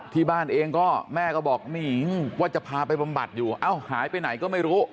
ที่บ้านเองก็แม่ก็บอกว่าจะพาไปบำบัดอยู่เอ้าหายไปไหนก็ไม่รู้